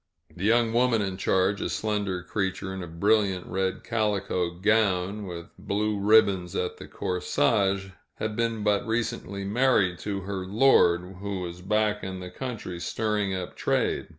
The young woman in charge, a slender creature in a brilliant red calico gown, with blue ribbons at the corsage, had been but recently married to her lord, who was back in the country stirring up trade.